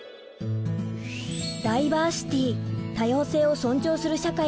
ダイバーシティ多様性を尊重する社会をめざす